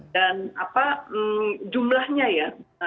dan jumlahnya ya